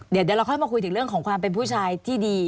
เดี๋ยวเราค่อยมาคุยถึงเรื่องของความเป็นผู้ชายที่ดี